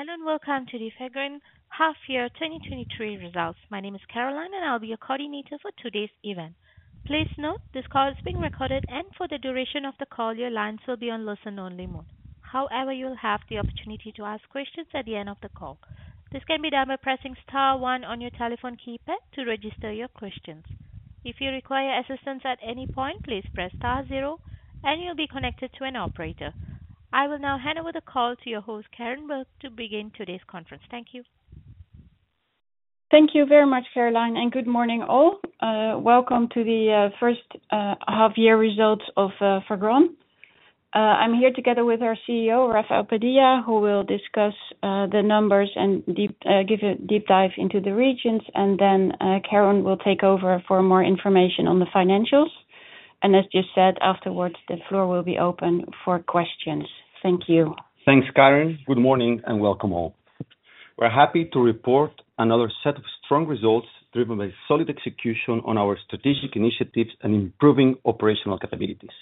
Hello, and welcome to the Fagron Half Year 2023 results. My name is Caroline, and I'll be your coordinator for today's event. Please note, this call is being recorded, and for the duration of the call, your lines will be on listen-only mode. However, you'll have the opportunity to ask questions at the end of the call. This can be done by pressing star one on your telephone keypad to register your questions. If you require assistance at any point, please press star 0, and you'll be connected to an operator. I will now hand over the call to your host, Karen Berg, to begin today's conference. Thank you. Thank you very much, Caroline, and good morning, all. Welcome to the first half year results of Fagron. I'm here together with our CEO, Rafael Padilla, who will discuss the numbers and deep, give a deep dive into the regions. Then, Karin will take over for more information on the financials. As just said, afterwards, the floor will be open for questions. Thank you. Thanks, Karin. Good morning, and welcome all. We're happy to report another set of strong results, driven by solid execution on our strategic initiatives and improving operational capabilities.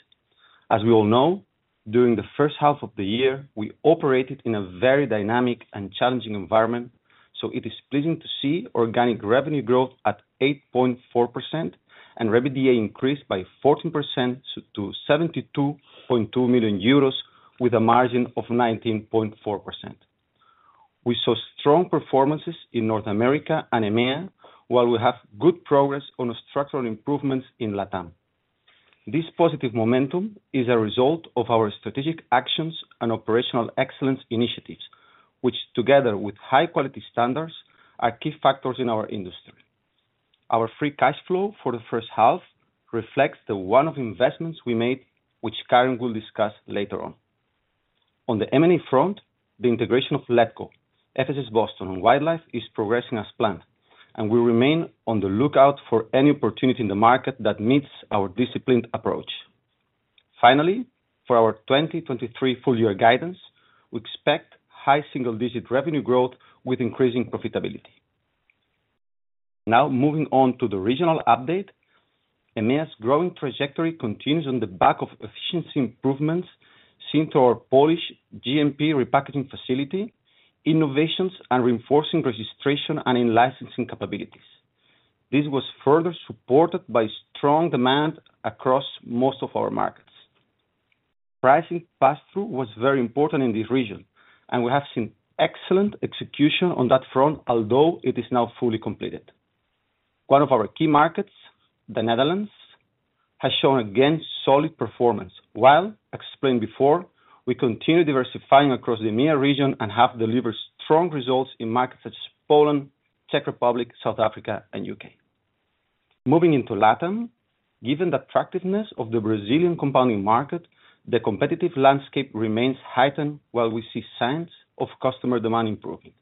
As we all know, during the first half of the year we operated in a very dynamic and challenging environment, so it is pleasing to see organic revenue growth at 8.4%, and revenue increased by 14% to 72.2 million euros with a margin of 19.4%. We saw strong performances in North America and EMEA, while we have good progress on structural improvements in LATAM. This positive momentum is a result of our strategic actions and operational excellence initiatives, which, together with high quality standards, are key factors in our industry. Our free cash flow for the first half reflects the one-off investments we made, which Karin will discuss later on. On the M&A front, the integration of Letco, FSS Boston, and Wildlife is progressing as planned, and we remain on the lookout for any opportunity in the market that meets our disciplined approach. Finally, for our 2023 full year guidance, we expect high single-digit revenue growth with increasing profitability. Now, moving on to the regional update. EMEA's growing trajectory continues on the back of efficiency improvements similar to our Polish GMP repackaging facility, innovations and reinforcing registration and in-licensing capabilities. This was further supported by strong demand across most of our markets. Pricing pass-through was very important in this region, and we have seen excellent execution on that front, although it is now fully completed. One of our key markets, the Netherlands, has shown again, solid performance, while explained before, we continue diversifying across the EMEA region and have delivered strong results in markets such as Poland, Czech Republic, South Africa and U.K. Moving into LATAM, given the attractiveness of the Brazilian compounding market the competitive landscape remains heightened while we see signs of customer demand improving.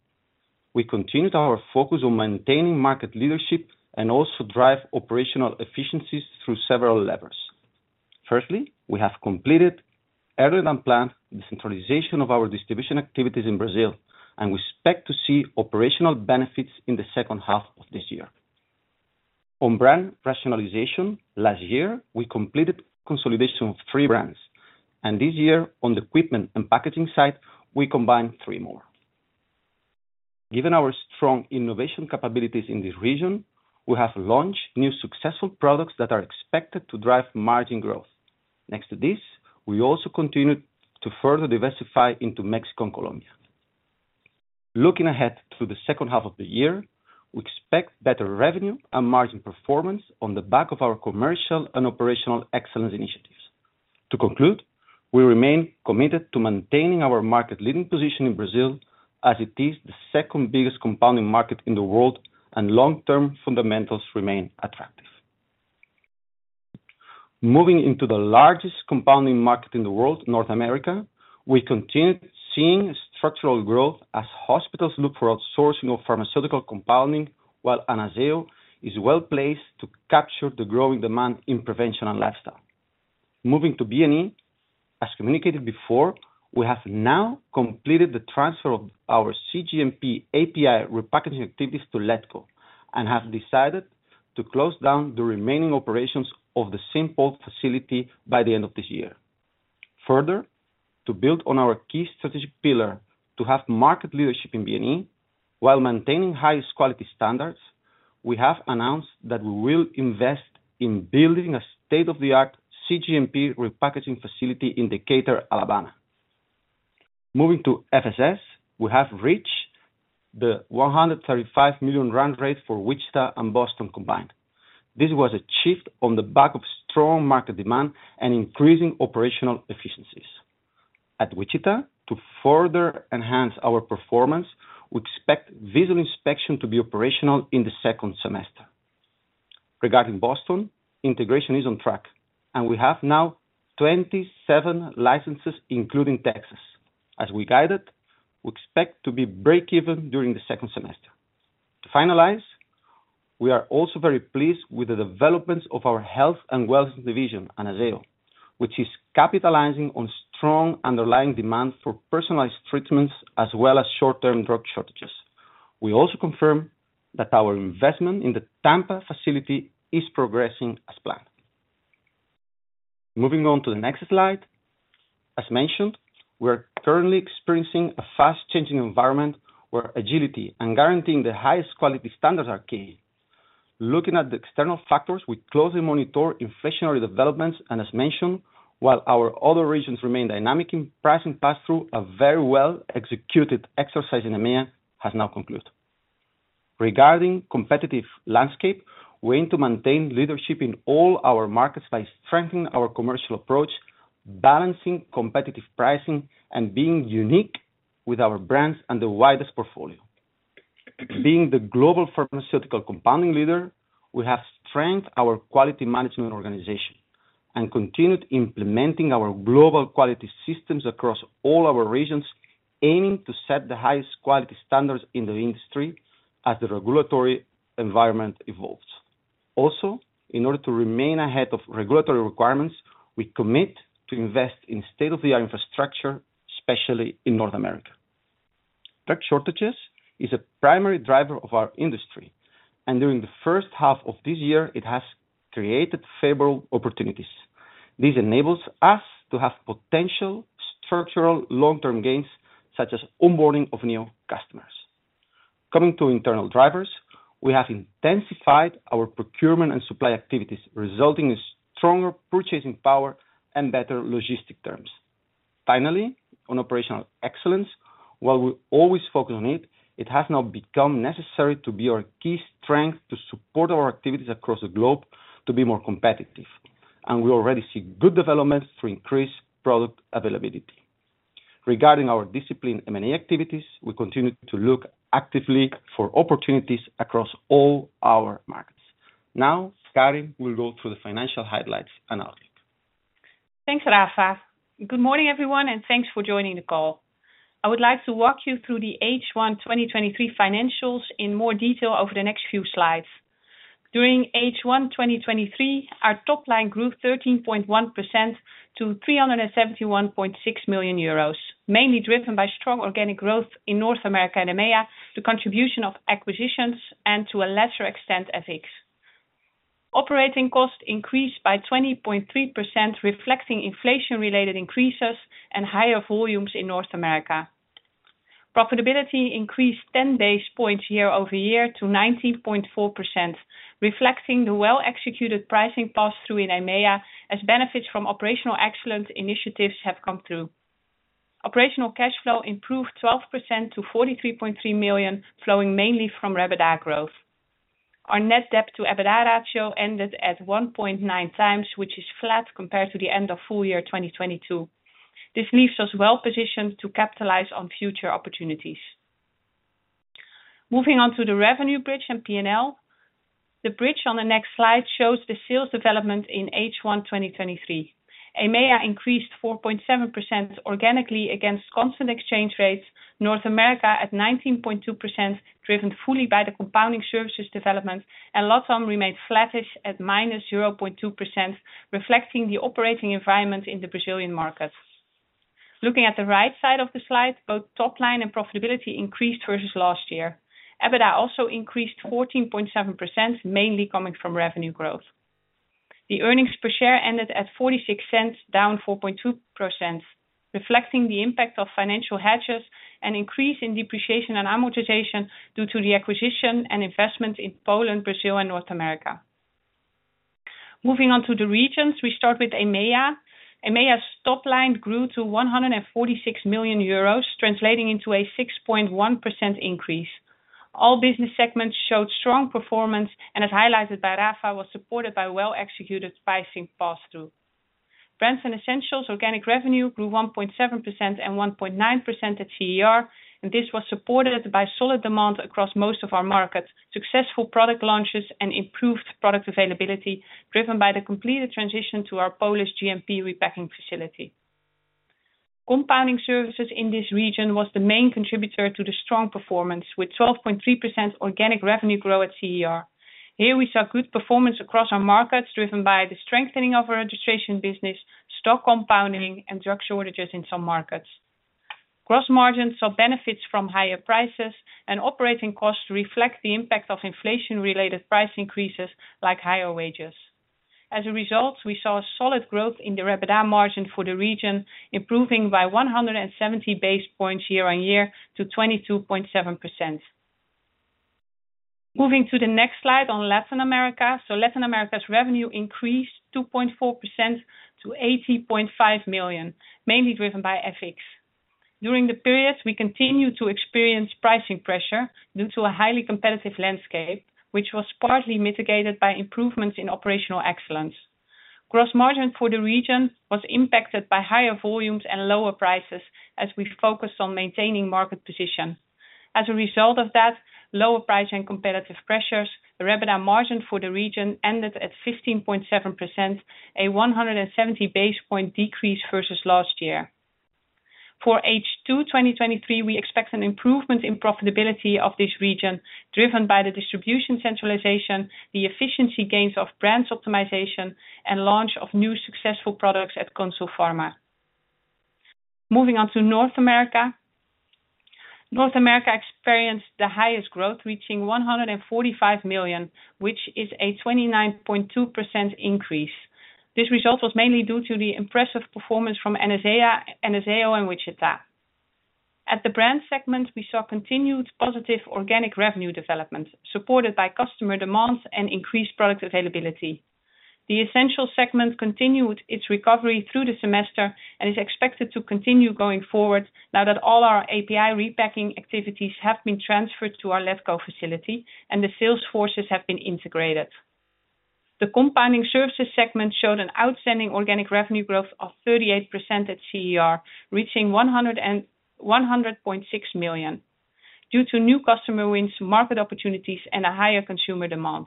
We continued our focus on maintaining market leadership and also drive operational efficiencies through several levers. Firstly we have completed earlier than planned, the centralization of our distribution activities in Brazil, and we expect to see operational benefits in the second half of this year. On brand rationalization, last year we completed consolidation of three brands, and this year on the equipment and packaging side, we combined three more. Given our strong innovation capabilities in this region, we have launched new successful products that are expected to drive margin growth. Next to this, we also continued to further diversify into Mexico and Colombia. Looking ahead to the second half of the year, we expect better revenue and margin performance on the back of our commercial and operational excellence initiatives. To conclude, we remain committed to maintaining our market leading position in Brazil as it is the second biggest compounding market in the world and long-term fundamentals remain attractive. Moving into the largest compounding market in the world, North America, we continued seeing structural growth as hospitals look for outsourcing of pharmaceutical compounding, while Anazao is well placed to capture the growing demand in prevention and lifestyle. Moving to B&E, as communicated before, we have now completed the transfer of our CGMP API repackaging activities to Letco, and have decided to close down the remaining operations of the simple facility by the end of this year. To build on our key strategic pillar, to have market leadership in BNE, while maintaining highest quality standards, we have announced that we will invest in building a state-of-the-art CGMP repackaging facility in Decatur, Alabama. Moving to FSS, we have reached the 135 million run rate for Wichita and Boston combined. This was achieved on the back of strong market demand and increasing operational efficiencies. At Wichita, to further enhance our performance, we expect visual inspection to be operational in the second semester. Regarding Boston, integration is on track, and we have now 27 licenses, including Texas. As we guided, we expect to be break even during the second semester. To finalize, we are also very pleased with the developments of our health and wellness division, Anazao which is capitalizing on strong underlying demand for personalized treatments as well as short-term drug shortages. We also confirm that our investment in the Tampa facility is progressing as planned. Moving on to the next slide. As mentioned, we are currently experiencing a fast-changing environment where agility and guaranteeing the highest quality standards are key. Looking at the external factors, we closely monitor inflationary developments and as mentioned, while our other regions remain dynamic in pricing pass-through, a very well executed exercise in EMEA has now concluded. Regarding competitive landscape, we aim to maintain leadership in all our markets by strengthening our commercial approach, balancing competitive pricing, and being unique with our brands and the widest portfolio. Being the global pharmaceutical compounding leader, we have strengthened our quality management organization and continued implementing our global quality systems across all our regions, aiming to set the highest quality standards in the industry as the regulatory environment evolves. Also, in order to remain ahead of regulatory requirements, we commit to invest in state-of-the-art infrastructure, especially in North America. Drug shortages is a primary driver of our industry, and during the first half of this year, it has created favorable opportunities. This enables us to have potential structural, long-term gains, such as onboarding of new customers. Coming to internal drivers, we have intensified our procurement and supply activities, resulting in stronger purchasing power and better logistic terms. Finally on operational excellence, while we always focus on it, it has now become necessary to be our key strength to support our activities across the globe to be more competitive, and we already see good developments to increase product availability. Regarding our discipline M&A activities, we continue to look actively for opportunities across all our markets. Now, Karin will go through the financial highlights and outlook. Thanks, Rafa. Good morning, everyone thanks for joining the call. I would like to walk you through the H12023 financials in more detail over the next few slides. During H12023, our top line grew 13.1% to 371.6 million euros, mainly driven by strong organic growth in North America and EMEA, the contribution of acquisitions and to a lesser extent, FX. Operating costs increased by 20.3%, reflecting inflation-related increases and higher volumes in North America. Profitability increased 10 basis points year-over-year to 19.4%, reflecting the well-executed pricing pass-through in EMEA, as benefits from operational excellent initiatives have come through. Operational cash flow improved 12% to 43.3 million, flowing mainly from EBITDA growth. Our net debt to EBITDA ratio ended at 1.9x, which is flat compared to the end of full year 2022. This leaves us well-positioned to capitalize on future opportunities. Moving on to the revenue bridge and P&L. The bridge on the next slide shows the sales development in H12023. EMEA increased 4.7% organically against constant exchange rates, North America at 19.2%, driven fully by the compounding services development. LATAM remained flattish at -0.2%, reflecting the operating environment in the Brazilian market. Looking at the right side of the slide, both top line and profitability increased versus last year. EBITDA also increased 14.7%, mainly coming from revenue growth. The earnings per share ended at 0.46, down 4.2%, reflecting the impact of financial hedges and increase in depreciation and amortization due to the acquisition and investment in Poland, Brazil, and North America. Moving on to the regions, we start with EMEA. EMEA's top line grew to 146 million euros, translating into a 6.1% increase. All business segments showed strong performance, as highlighted by Rafa, was supported by well-executed pricing pass-through. Brands and essentials organic revenue grew 1.7% and 1.9% at CER, this was supported by solid demand across most of our markets, successful product launches, and improved product availability, driven by the completed transition to our Polish GMP repacking facility. Compounding services in this region was the main contributor to the strong performance, with 12.3% organic revenue growth at CER. Here we saw good performance across our markets, driven by the strengthening of our registration business, stock compounding, and drug shortages in some markets. Gross margins saw benefits from higher prices and operating costs reflect the impact of inflation-related price increases, like higher wages. As a result, we saw a solid growth in the EBITDA margin for the region, improving by 170 basis points year-over-year to 22.7%. Moving to the next slide on Latin America. Latin America's revenue increased 2.4% to 80.5 million, mainly driven by FX. During the periods, we continued to experience pricing pressure due to a highly competitive landscape, which was partly mitigated by improvements in operational excellence. Gross margin for the region was impacted by higher volumes and lower prices as we focused on maintaining market position. As a result of that, lower price and competitive pressures, the EBITDA margin for the region ended at 15.7%, a 170 basis point decrease versus last year. For H2 2023, we expect an improvement in profitability of this region, driven by the distribution centralization, the efficiency gains of brands optimization, and launch of new successful products at Consulfarma. Moving on to North America. North America experienced the highest growth, reaching 145 million, which is a 29.2% increase. This result was mainly due to the impressive performance from Anazao and Wichita. At the brand segment, we saw continued positive organic revenue development, supported by customer demands and increased product availability. The essential segment continued its recovery through the semester and is expected to continue going forward now that all our API repacking activities have been transferred to our Letco facility, and the sales forces have been integrated. The compounding services segment showed an outstanding organic revenue growth of 38% at CER, reaching 100.6 million, due to new customer wins, market opportunities, and a higher consumer demand.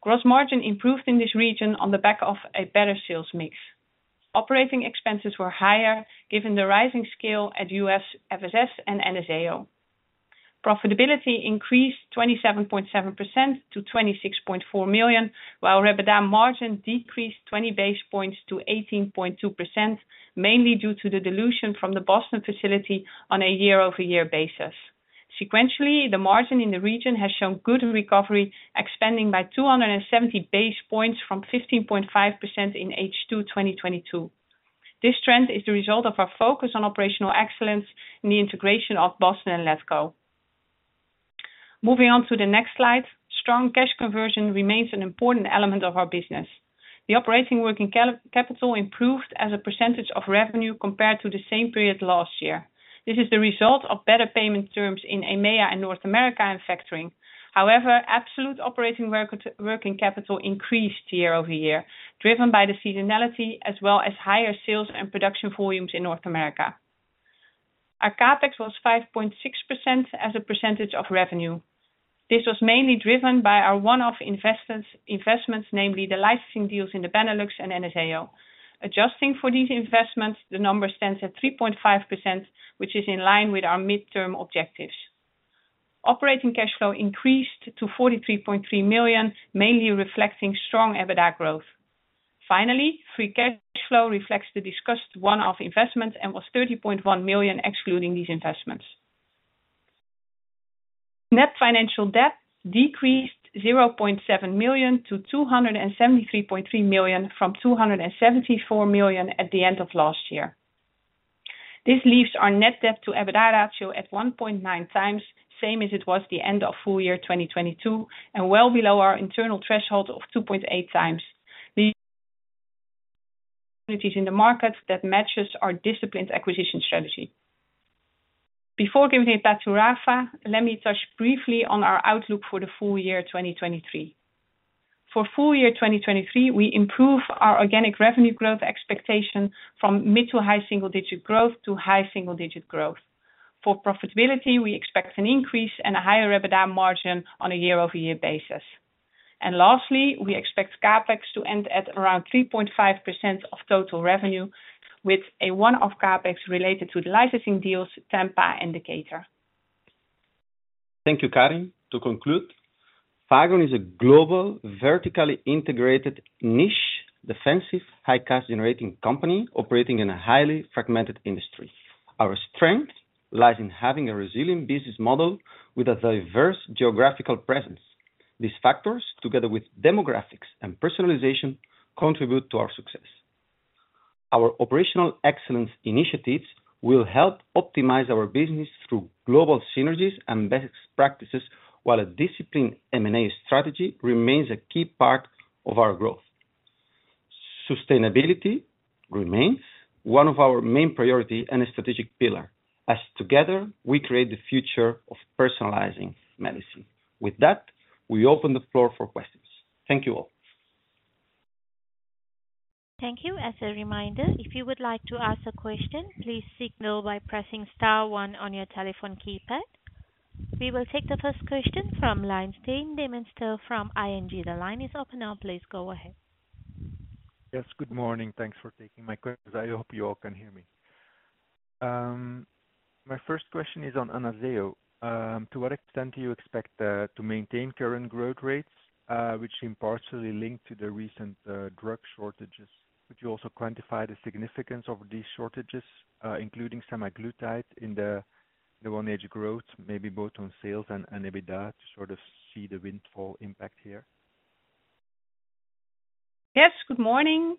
Gross margin improved in this region on the back of a better sales mix. Operating expenses were higher, given the rising scale at U.S., FSS, and Anazao. Profitability increased 27.7% to 26.4 million, while EBITDA margin decreased 20 basis points to 18.2%, mainly due to the dilution from the Boston facility on a year-over-year basis. Sequentially, the margin in the region has shown good recovery, expanding by 270 basis points from 15.5% in H2 2022. This trend is the result of our focus on operational excellence in the integration of Boston and Letco. Moving on to the next slide, strong cash conversion remains an important element of our business. The operating working capital improved as a % of revenue compared to the same period last year. This is the result of better payment terms in EMEA and North America, and factoring. Absolute operating working capital increased year-over-year, driven by the seasonality as well as higher sales and production volumes in North America. Our CapEx was 5.6% as a % of revenue. This was mainly driven by our one-off investments, namely the licensing deals in the Benelux and Anazao. Adjusting for these investments, the number stands at 3.5%, which is in line with our midterm objectives. Operating cash flow increased to 43.3 million, mainly reflecting strong EBITDA growth. Free cash flow reflects the discussed one-off investment and was 30.1 million, excluding these investments. Net financial debt decreased 0.7 million to 273.3 million, from 274 million at the end of last year. This leaves our net debt to EBITDA ratio at 1.9x, same as it was the end of full year 2022, and well below our internal threshold of 2.8x. These opportunities in the market that matches our disciplined acquisition strategy. Before giving it back to Rafa, let me touch briefly on our outlook for the full year 2023. For full year 2023, we improve our organic revenue growth expectation from mid-to-high single-digit growth to high single-digit growth. For profitability, we expect an increase and a higher EBITDA margin on a year-over-year basis. Lastly, we expect CapEx to end at around 3.5% of total revenue, with a one-off CapEx related to the licensing deals. Thank you, Karin. To conclude, Fagron is a global, vertically integrated, niche, defensive, high cash-generating company operating in a highly fragmented industry. Our strength lies in having a resilient business model with a diverse geographical presence. These factors, together with demographics and personalization, contribute to our success. Our operational excellence initiatives will help optimize our business through global synergies and best practices, while a disciplined M&A strategy remains a key part of our growth. Sustainability remains one of our main priority and a strategic pillar as together we create the future of personalizing medicine. With that we open the floor for questions. Thank you all. Thank you. As a reminder, if you would like to ask a question, please signal by pressing star one on your telephone keypad. We will take the first question from line Stjin Demeester from ING. The line is open now. Please go ahead. Yes, good morning. Thanks for taking my questions. I hope you all can hear me. My first question is on Anazao. To what extent do you expect to maintain current growth rates, which seem partially linked to the recent drug shortages? Could you also quantify the significance of these shortages, including semaglutide, in the one age growth, maybe both on sales and EBITDA, to sort of see the windfall impact here? Yes, good morning.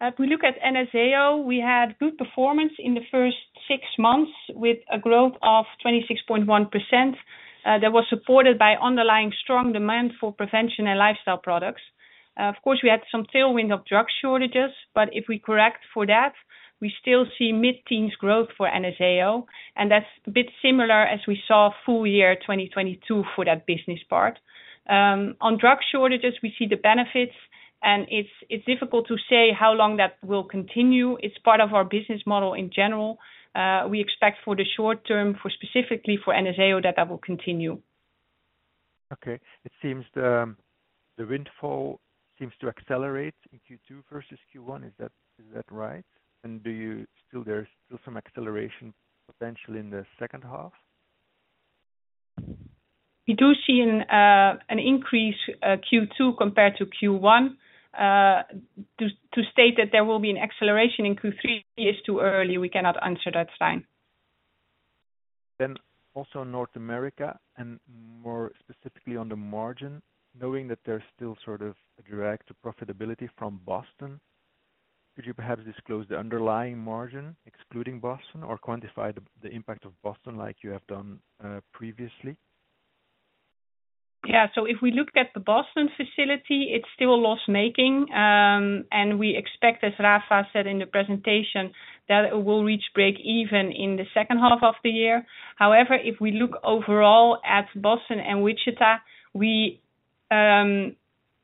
If we look at Anazao we had good performance in the first six months, with a growth of 26.1%, that was supported by underlying strong demand for prevention and lifestyle products. Of course, we had some tailwind of drug shortages, if we correct for that, we still see mid-teens growth forAnazao and that's a bit similar as we saw full year 2022 for that business part. On drug shortages, we see the benefits, and it's difficult to say how long that will continue. It's part of our business model in general. We expect for the short term, for specifically for Anazao that that will continue. Okay. It seems the, the windfall seems to accelerate in Q2 versus Q1. Is that, is that right? Still, there's still some acceleration potentially in the second half? We do see an increase Q2 compared to Q1. To state that there will be an acceleration in Q3 is too early. We cannot answer that, Stijn. Also North America, and more specifically on the margin, knowing that there's still sort of a drag to profitability from Boston, could you perhaps disclose the underlying margin excluding Boston or quantify the, the impact of Boston like you have done previously? Yeah. If we look at the Boston facility, it's still loss-making. We expect, as Rafa said in the presentation, that it will reach break even in the second half of the year. However, if we look overall at Boston and Wichita, we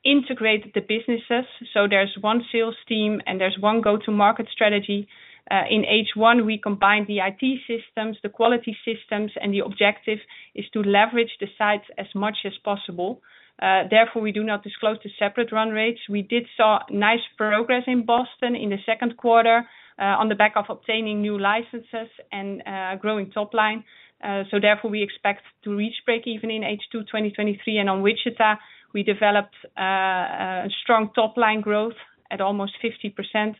integrated the businesses, so there's one sales team and there's one go-to market strategy. In H1, we combined the IT systems, the quality systems, the objective is to leverage the sites as much as possible. Therefore, we do not disclose the separate run rates. We did saw nice progress in Boston in the second quarter, on the back of obtaining new licenses and growing top line. Therefore, we expect to reach break even in H2, 2023. On Wichita, we developed a strong top-line growth at almost 50%.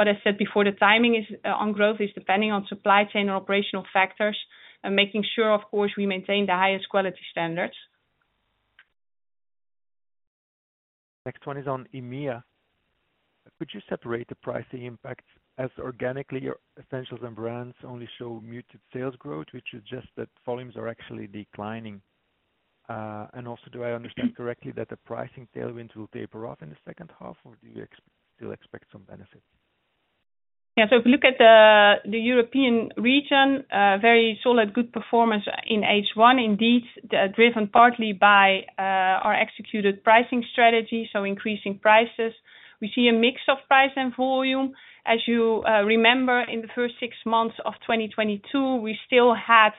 I said before, the timing is, on growth is depending on supply chain or operational factors and making sure, of course, we maintain the highest quality standards. Next one is on EMEA. Could you separate the pricing impact as organically, your essentials and brands only show muted sales growth, which is just that volumes are actually declining? Also, do I understand correctly that the pricing tailwind will taper off in the second half, or do you still expect some benefit? Yeah. If you look at the European region, a very solid, good performance in H1, indeed, driven partly by our executed pricing strategy, so increasing prices. We see a mix of price and volume. As you remember, in the first six months of 2022, we still had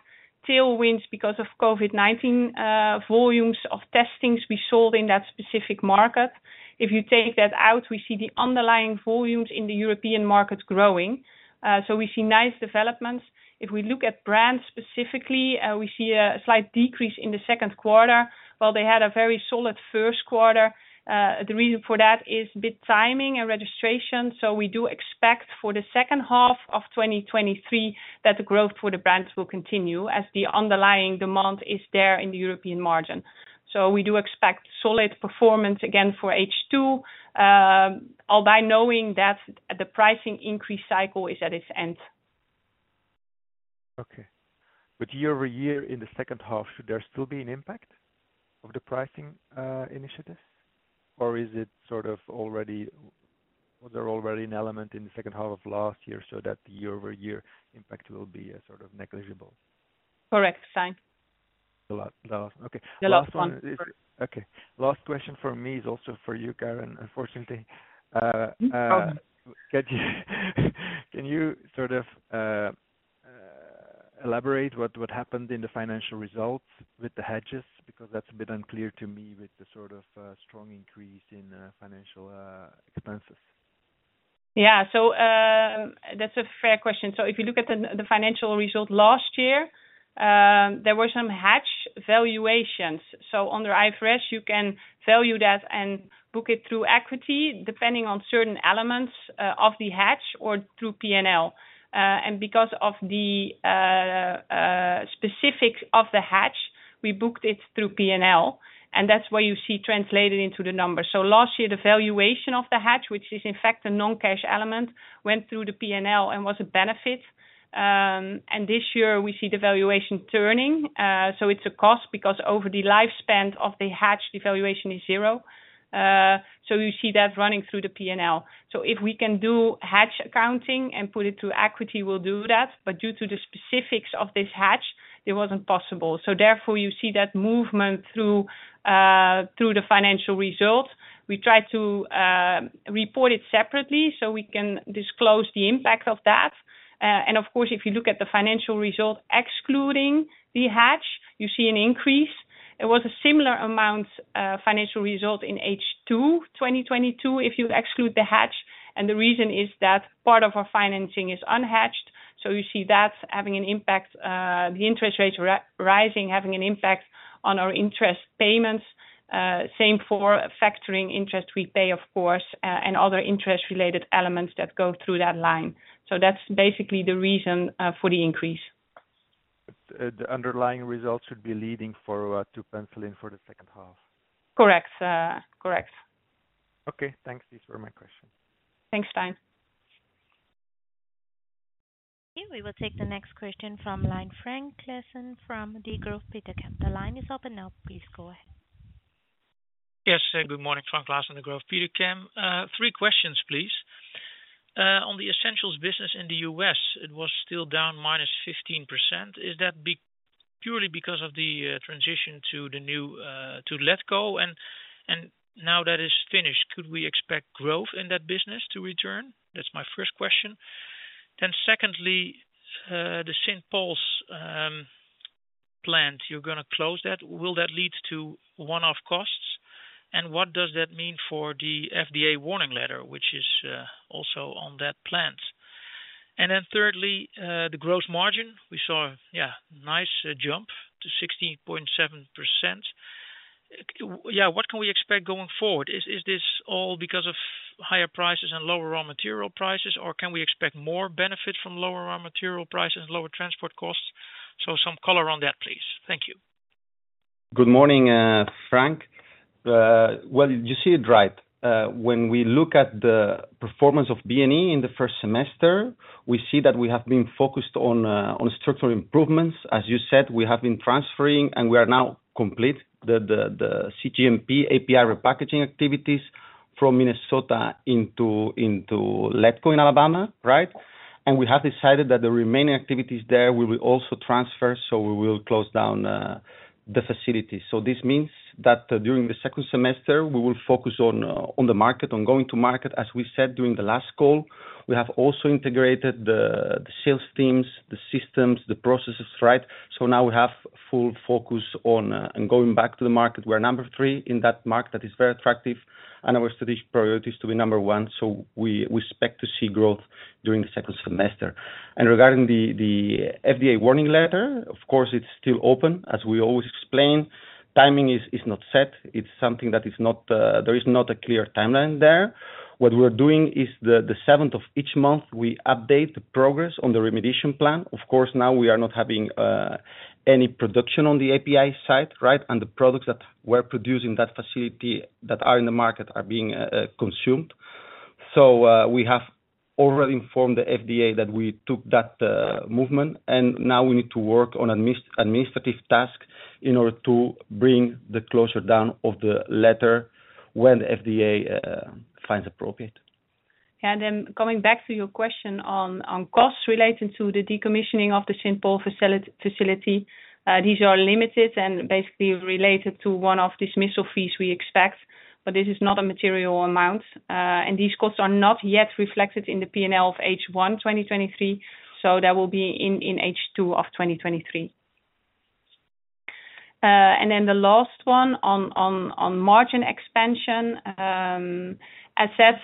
tailwinds because of COVID-19 volumes of testings we sold in that specific market. If you take that out, we see the underlying volumes in the European market growing. We see nice developments. If we look at brands specifically, we see a slight decrease in the second quarter. While they had a very solid first quarter, the reason for that is a bit timing and registration. We do expect for the second half of 2023, that the growth for the brands will continue as the underlying demand is there in the European margin. We do expect solid performance again for H2, although knowing that the pricing increase cycle is at its end. Okay. year-over-year in the second half, should there still be an impact of the pricing initiatives? Or is it sort of already-- was there already an element in the second half of last year so that the year-over-year impact will be sort of negligible? Correct. The last, last. Okay. The last one. Okay. Last question for me is also for you Karin, unfortunately. No problem. Can you sort of, elaborate what happened in the financial results with the hedges? Because that's a bit unclear to me with the sort of, strong increase in, financial, expenses. Yeah. That's a fair question. If you look at the financial results last year, there were some hedge valuations. Under IFRS, you can value that and book it through equity, depending on certain elements of the hedge or through P&L. Because of the specifics of the hedge, we booked it through P&L, and that's where you see translated into the numbers. Last year, the valuation of the hedge, which is in fact a non-cash element, went through the P&L and was a benefit. This year we see the valuation turning, so it's a cost because over the lifespan of the hedge, the valuation is 0. You see that running through the P&L. If we can do hedge accounting and put it through equity, we'll do that, but due to the specifics of this hedge, it wasn't possible. Therefore, you see that movement through the financial results. We try to report it separately so we can disclose the impact of that. Of course, if you look at the financial results, excluding the hedge, you see an increase. It was a similar amount, financial result in H2 2022, if you exclude the hedge, and the reason is that part of our financing is unhedged. You see that's having an impact, the interest rates rising, having an impact on our interest payments. Same for factoring interest we pay, of course, other interest-related elements that go through that line. That's basically the reason for the increase. The underlying results should be leading for, to pencil in for the second half? Correct, correct. Okay, thanks. These were my questions. Thanks Stijn. We will take the next question from line, Frank Claassen from Degroof Petercam. The line is open now. Please go ahead. Yes, good morning, Frank Claassen, Degroof Petercam. Three questions, please. On the essentials business in the U.S., it was still down -15%. Is that purely because of the transition to the new, to Letco Medical? Now that it's finished, could we expect growth in that business to return? That's my first question. Secondly, the St. Paul facility, you're gonna close that. Will that lead to one-off costs? What does that mean for the FDA warning letter, which is also on that facility? Thirdly, the growth margin. We saw, yeah, nice, jump to 16.7%. Yeah, what can we expect going forward? Is this all because of higher prices and lower raw material prices, or can we expect more benefit from lower raw material prices, lower transport costs? Some color on that, please. Thank you. Good morning, Frank. Well, you see it right. When we look at the performance of BNE in the first semester, we see that we have been focused on structural improvements. As you said, we have been transferring, and we are now complete the cGMP API repackaging activities from Minnesota into Letco in Alabama, right? We have decided that the remaining activities there, we will also transfer. We will close down the facility. This means that during the second semester, we will focus on the market, on going to market. As we said, during the last call, we have also integrated the sales teams, the systems, the processes, right? Now we have full focus on and going back to the market. We're number three in that market, that is very attractiv and our strategic priority is to be number one. We, we expect to see growth during the second semester. Regarding the, the FDA warning letter, of course, it's still open. As we always explain, timing is, is not set. It's something that is not - there is not a clear timeline there. What we're doing is the, the seventh of each month, we update the progress on the remediation plan. Of course, now we are not having any production on the API side, right? The products that we're producing, that facility that are in the market are being consumed. We have already informed the FDA that we took that movement, and now we need to work on administrative task in order to bring the closure down of the letter when the FDA finds appropriate. Coming back to your question on costs relating to the decommissioning of the St. Paul facility. These are limited and basically related to one-off dismissal fees we expect, but this is not a material amount, and these costs are not yet reflected in the P&L of H1 2023, so that will be in H2 of 2023. The last one on margin expansion, assets,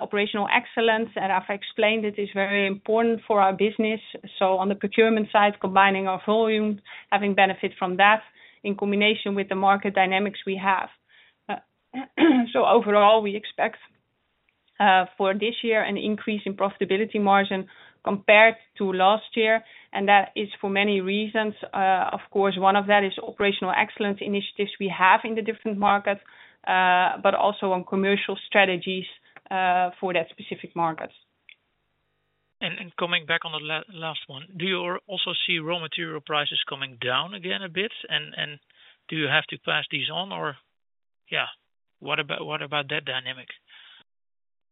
operational excellence, and I've explained it, is very important for our business. On the procurement side, combining our volumes, having benefit from that in combination with the market dynamics we have. Overall, we expect for this year an increase in profitability margin compared to last year, and that is for many reasons. Of course, one of that is operational excellence initiatives we have in the different markets, but also on commercial strategies, for that specific markets. Coming back on the last one, do you also see raw material prices coming down again a bit? Do you have to pass these on or? Yeah, what about that dynamic?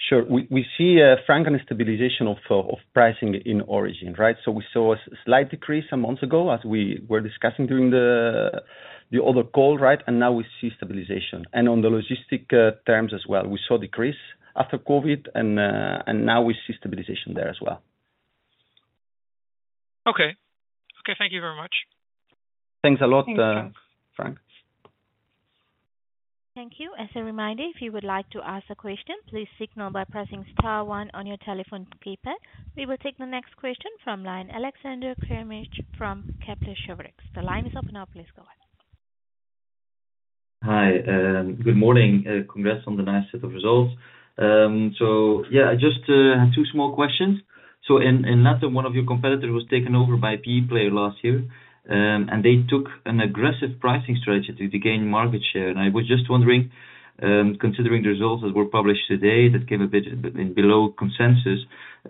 Sure. We, we see Frank, on a stabilization of pricing in origin, right? We saw a slight decrease some months ago as we were discussing during the other call, right? Now we see stabilization and on the logistic terms as well. We saw decrease after COVID and now we see stabilization there as well. Okay. Okay, thank you very much. Thanks a lot, Frank. Thank you. As a reminder, if you would like to ask a question, please signal by pressing star one on your telephone keypad. We will take the next question from line, Alexander Craeymeersch from Kepler Cheuvreux. The line is open now. Please go ahead. Hi, good morning. Congrats on the nice set of results. Yeah, I just have two small questions. In Latin, one of your competitors was taken over by a PE player last year, and they took an aggressive pricing strategy to gain market share. I was just wondering, considering the results that were published today, that came a bit below consensus,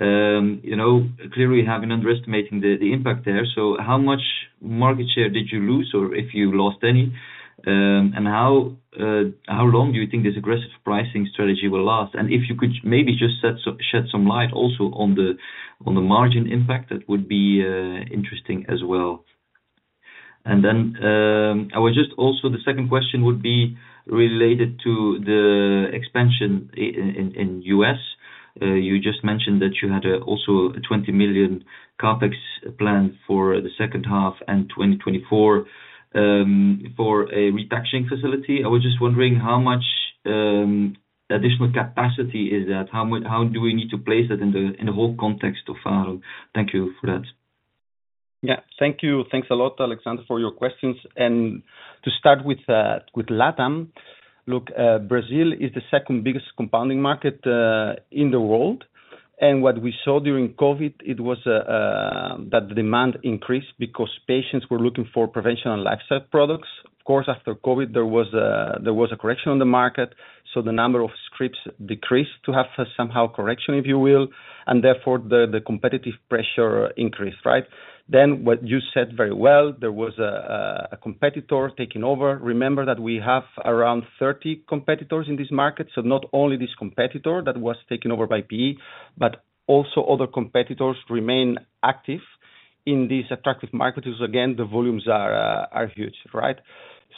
you know, clearly you have been underestimating the, the impact there. How much market share did you lose or if you lost any, and how long do you think this aggressive pricing strategy will last? If you could maybe just shed some, shed some light also on the, on the margin impact, that would be interesting as well. I was just also the second question would be related to the expansion in, in U.S. You just mentioned that you had also a 20 million CapEx plan for the second half and 2024 for a repackaging facility. I was just wondering how much additional capacity is that? How much how do we need to place that in the, in the whole context of. Thank you for that. Yeah. Thank you. Thanks a lot Alexander, for your questions. To start with, with LATAM, look, Brazil is the second biggest compounding market in the world. What we saw during COVID, it was that demand increased because patients were looking for prevention and lifestyle products. Of course, after COVID, there was a correction on the market, so the number of scripts decreased to have somehow correction, if you will, and therefore, the competitive pressure increased, right? What you said very well, there was a competitor taking over. Remember that we have around 30 competitors in this market, so not only this competitor that was taken over by PE, but also other competitors remain active in this attractive market, is again, the volumes are huge, right?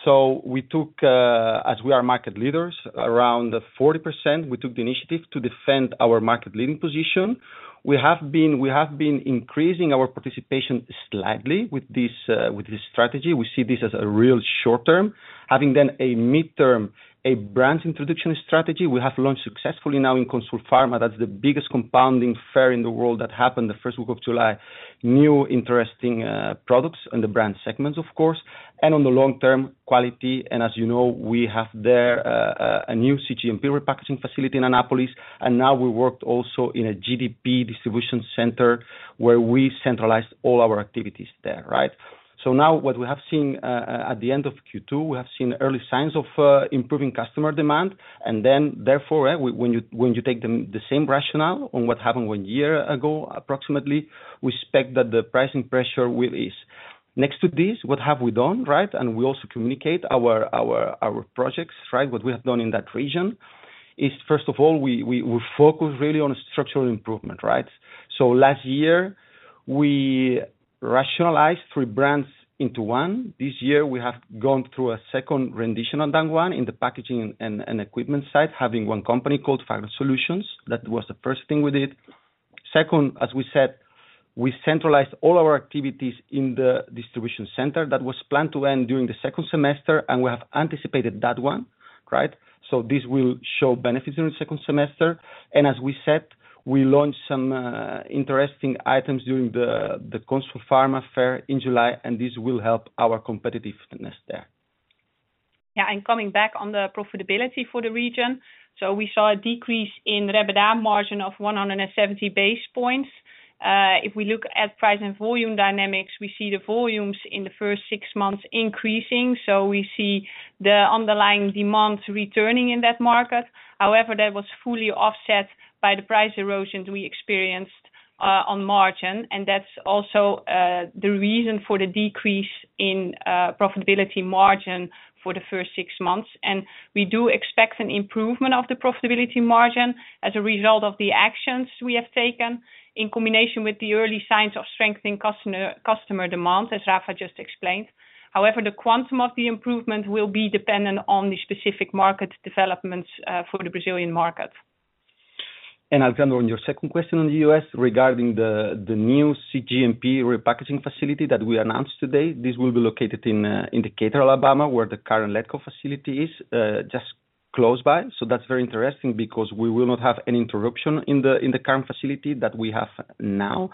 As we are market leaders, around 40%, we took the initiative to defend our market leading position. We have been, we have been increasing our participation slightly with this strategy. We see this as a real short term. Having then a midterm, a brand introduction strategy, we have launched successfully now in Consulfarma. That's the biggest compounding fair in the world that happened the first week of July. New interesting products in the brand segments, of course, and on the long term quality, and as you know, we have there a new CGMP repackaging facility in Anápolis and now we worked also in a GDP distribution center, where we centralized all our activities there, right? Now what we have seen at the end of Q2, we have seen early signs of improving customer demand, and then therefore, right, when you, when you take the same rationale on what happened one year ago, approximately, we expect that the pricing pressure will ease. Next to this, what have we done, right? We also communicate our, our, our projects, right? What we have done in that region is, first of all, we, we, we focus really on structural improvement, right? Last year, we rationalized three brands into one. This year we have gone through a second rendition on that one in the packaging and equipment side, having one company called Pharma Solutions. That was the first thing we did. Second, as we said, we centralized all our activities in the distribution center. That was planned to end during the second semester, and we have anticipated that one, right? This will show benefits in the second semester. As we said, we launched some interesting items during the Consulfarma affair in July, and this will help our competitiveness there. Coming back on the profitability for the region. We saw a decrease in REBITDA margin of 170 basis points. If we look at price and volume dynamics, we see the volumes in the first six months increasing. We see the underlying demand returning in that market. However, that was fully offset by the price erosion we experienced on margin, and that's also the reason for the decrease in profitability margin for the first six months. We do expect an improvement of the profitability margin as a result of the actions we have taken in combination with the early signs of strengthening customer, customer demand, as Rafa just explained. However, the quantum of the improvement will be dependent on the specific market developments for the Brazilian market. Alexander on your second question on the U.S., regarding the new CGMP repackaging facility that we announced today, this will be located in Decatur, Alabama, where the current Letco facility is just close by. That's very interesting because we will not have any interruption in the current facility that we have now.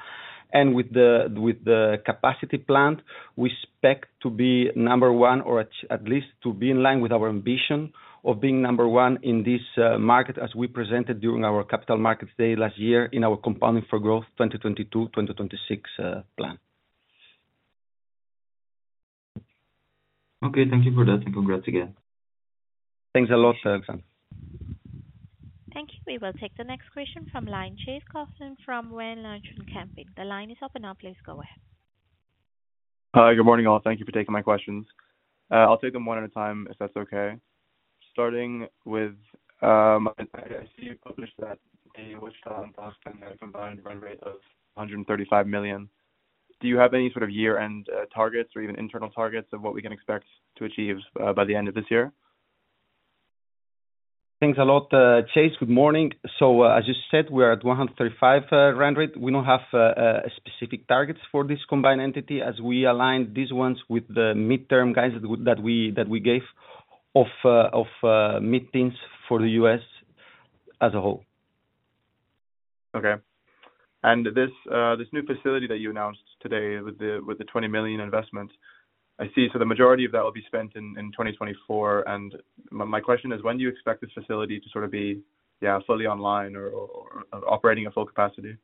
With the capacity plant, we expect to be number one, or at least to be in line with our ambition of being number one in this market, as we presented during our capital markets day last year in our Compounding for Growth 2022, 2026 plan. Okay, thank you for that. Congrats again. Thanks a lot, Alexander. Thank you. We will take the next question from line, Chase Carson from Van Lanschot Kempen. The line is open now, please go ahead. Good morning, all. Thank you for taking my questions. I'll take them one at a time, if that's okay. Starting with, I, I see you published that the Wichita and Boston had a combined run rate of $135 million. Do you have any sort of year-end targets or even internal targets of what we can expect to achieve by the end of this year? Thanks a lot, Chase. Good morning. As you said, we are at 135 run rate. We don't have specific targets for this combined entity as we align these ones with the midterm guides that we, that we gave of mid-things for the U.S. as a whole. Okay. This, this new facility that you announced today with the, with the 20 million investment, I see. The majority of that will be spent in 2024. My question is, when do you expect this facility to sort of be, yeah, fully online or, or operating at full capacity?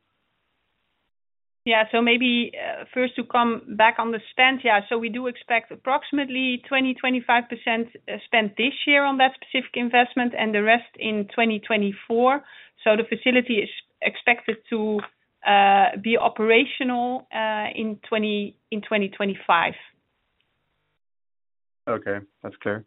Maybe, first to come back on the spend. We do expect approximately 20-25% spent this year on that specific investment and the rest in 2024. The facility is expected to be operational in 2025. Okay, that's clear.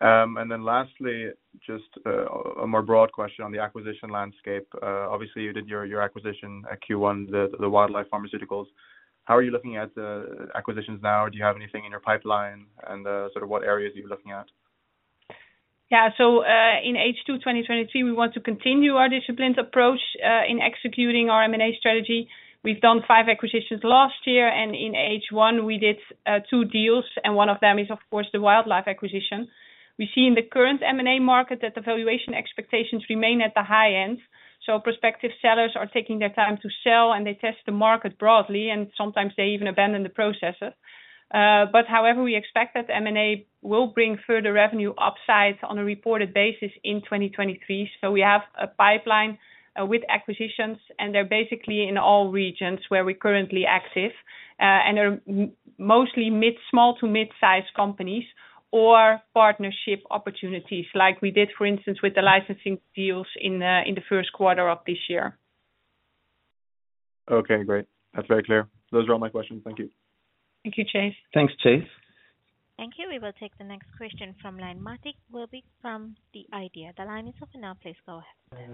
Then lastly, just a more broad question on the acquisition landscape. Obviously, you did your, your acquisition at Q1, the, the Wildlife Pharmaceuticals. How are you looking at acquisitions now? Do you have anything in your pipeline and sort of what areas are you looking at? Yeah. In H2 2023, we want to continue our disciplined approach, in executing our M&A strategy. We've done 5 acquisitions last year, in H1 we did, 2 deals, and one of them is, of course, the Wildlife acquisition. We see in the current M&A market that the valuation expectations remain at the high end, so prospective sellers are taking their time to sell, and they test the market broadly, and sometimes they even abandon the processes. However, we expect that M&A will bring further revenue upsides on a reported basis in 2023. We have a pipeline, with acquisitions, and they're basically in all regions where we're currently active. They're mostly small to mid-sized companies or partnership opportunities like we did, for instance, with the licensing deals in the, in the 1st quarter of this year. Okay, great. That's very clear. Those are all my questions. Thank you. Thank you, Chase. Thanks, Chase. Thank you. We will take the next question from line, Martin Wilbik from de Idea. The line is open now, please go ahead.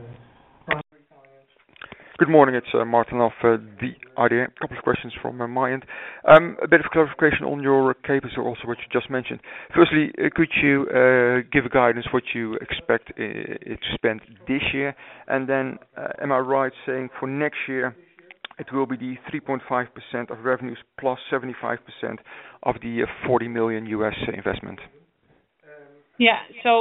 Good morning, it's Martin off for de Idea. A couple of questions from my end. A bit of clarification on your CapEx, also, which you just mentioned. Firstly, could you give a guidance what you expect to spend this year? Then, am I right saying for next year, it will be the 3.5% of revenues plus 75% of the $40 million investment? Yeah.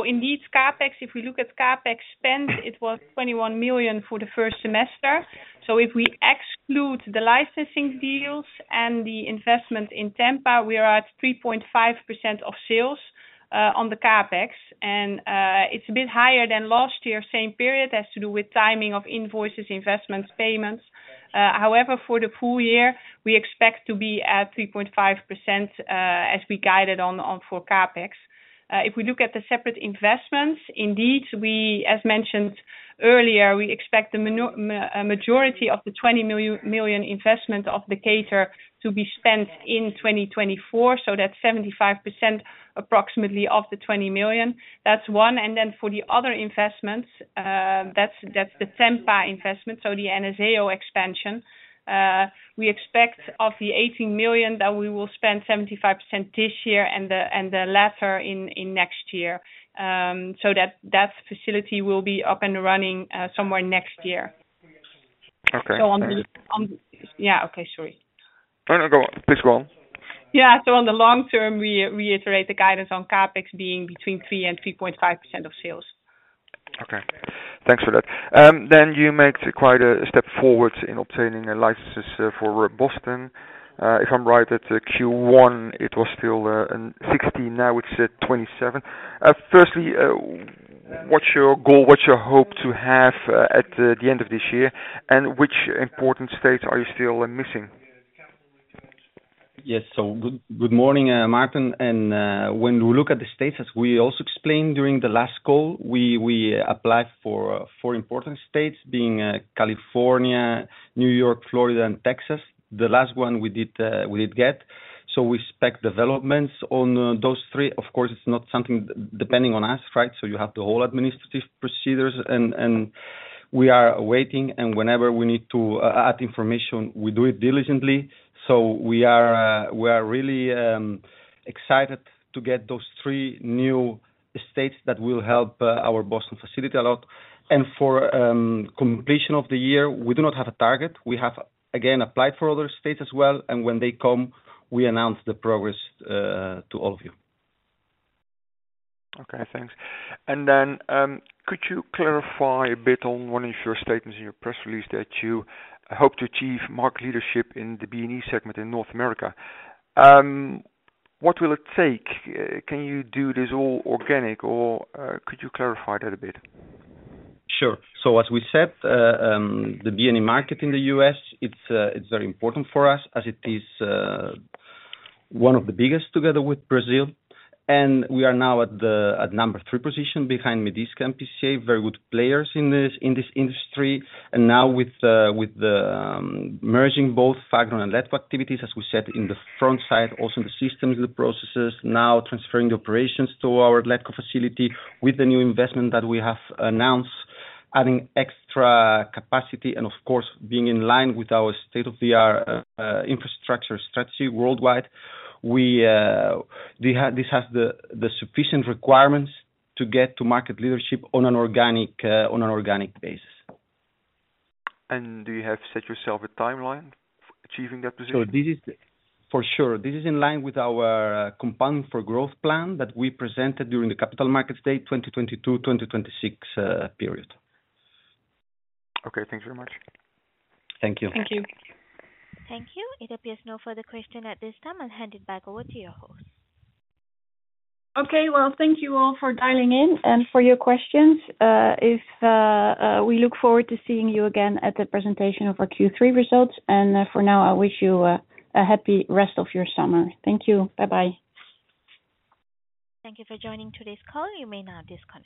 Indeed, CapEx, if we look at CapEx spend, it was 21 million for the first semester. If we exclude the licensing deals and the investment in Tampa, we are at 3.5% of sales on the CapEx, and it's a bit higher than last year, same period, has to do with timing of invoices, investments, payments. However, for the full year, we expect to be at 3.5% as we guided on for CapEx. If we look at the separate investments, indeed, we, as mentioned earlier, we expect the majority of the 20 million investment of Decatur to be spent in 2024, so that's 75% approximately of the 20 million. That's one, and then for the other investments, that's, that's the Tampa investment, so the Anazao expansion. We expect of the 18 million, that we will spend 75% this year and the, and the latter in, in next year. So that, that facility will be up and running, somewhere next year. Okay. Yeah, okay. Sorry. No, no, go. Please go on. Yeah. On the long term, we reiterate the guidance on CapEx being between 3% and 3.5% of sales. Okay. Thanks for that. You made quite a step forward in obtaining a licenses for Boston. If I'm right, at Q1, it was still in 16, now it's at 27. Firstly, what's your goal? What's your hope to have at the end of this year? Which important states are you still missing? Yes. So good, good morning, Martin, and when we look at the states, as we also explained during the last call, we, we applied for 4 important states, being, California, New York, Florida, and Texas. The last one we did, we did get. We expect developments on those three. Of course, it's not something depending on us, right? You have the whole administrative procedures and, and we are waiting, and whenever we need to add information, we do it diligently. We are, we are really excited to get those 3 new states that will help our Boston facility a lot. For completion of the year, we do not have a target. We have, again, applied for other states as well, and when they come, we announce the progress to all of you. Okay, thanks. Then, could you clarify a bit on one of your statements in your press release that you hope to achieve market leadership in the BNE segment in North America? What will it take? Can you do this all organic, or could you clarify that a bit? Sure. As we said, the B&E market in the US, it's very important for us, as it is one of the biggest together with Brazil. We are now at number three position behind Medisca and PCCA, very good players in this, in this industry. Now with the merging both Fagron and Letco activities, as we said, in the front side, also in the systems, the processes, now transferring the operations to our Letco facility with the new investment that we have announced, adding extra capacity and of course, being in line with our state-of-the-art infrastructure strategy worldwide, this has the sufficient requirements to get to market leadership on an organic, on an organic basis. Do you have set yourself a timeline for achieving that position? For sure, this is in line with our Compounding for Growth plan that we presented during the Capital Markets Day, 2022-2026 period. Okay. Thanks very much. Thank you. Thank you. Thank you. It appears no further question at this time. I'll hand it back over to your host. Okay. Well, thank you all for dialing in and for your questions. We look forward to seeing you again at the presentation of our Q3 results. For now, I wish you a happy rest of your summer. Thank you. Bye-bye. Thank you for joining today's call. You may now disconnect.